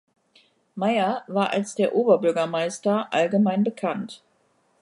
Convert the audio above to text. Mayer war als "Der Oberbürgermeister" allgemein bekannt.